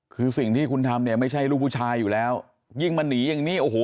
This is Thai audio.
คือสิ่งที่คุณทำเนี่ยไม่ใช่ลูกผู้ชายอยู่แล้วยิ่งมาหนีอย่างนี้โอ้โห